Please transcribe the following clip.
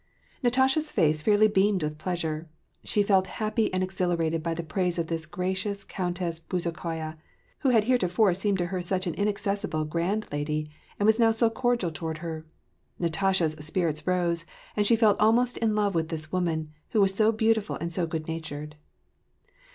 Natasha's face fairly beamed with pleasure. She felt happy and exhilarated by the praise of this gracious Countess Bez ukhaya, who had heretofore seemed to her such an inaccessible, grand lady, and was now so cordial toward her. Natasha's spirits rose, and she felt almost in love with this woman, who was so beautiful and so good natured.